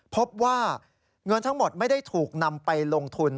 พบว่าเงินทั้งหมดไม่ได้ถูกนำไปลงทุน